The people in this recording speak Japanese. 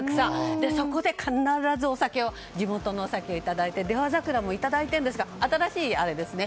そこで必ず地元のお酒をいただいて出羽桜もいただいていますが新しい、あれですよね。